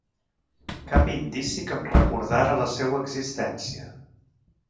Cap indici que em recordara la seua existència.